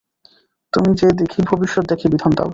তুমি যে দেখি ভবিষ্যৎ দেখে বিধান দাও।